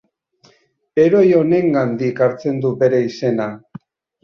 Heroi honengandik hartzen du bere izena.